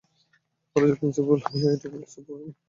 কলেজের প্রিন্সিপাল হয়েও এটুকু কাজ করতে পারবে না।